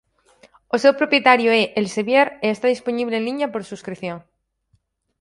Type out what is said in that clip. O seu propietario é Elsevier e está dispoñible en liña por subscrición.